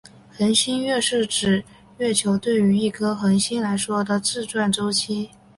恒星月是指月球对于一颗恒星来说的自转周期。